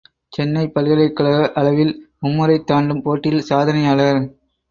சென்னை பல்கலைக்கழக அளவில் மும்முறைத்தாண்டும் போட்டியில் சாதனையாளர்.